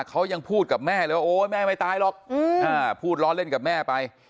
เขายังพูดกับแม่เลยว่าโอ๊ยแม่ไม่ตายหรอกพูดล้อเล่นกับแม่ไป